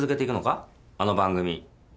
あの番組。